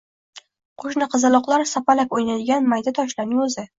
Qo‘shni qizaloqlar sopalak o‘ynaydigan mayda toshlarning o‘zi.